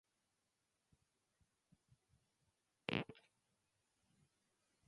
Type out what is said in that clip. I decided to throw the fight and grind Mandarin up some levels.